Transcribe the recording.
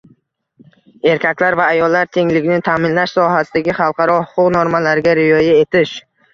«erkaklar va ayollar tengligini ta’minlash sohasidagi xalqaro huquq normalariga rioya etish»